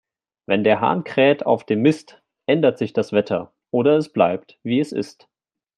Wenn der Hahn kräht auf dem Mist, ändert sich das Wetter, oder es bleibt, wie es ist.